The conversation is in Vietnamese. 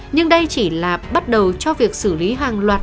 nhưng đây chỉ là bắt đầu cho việc xử lý hàng loạt